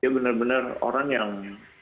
benar benar orang yang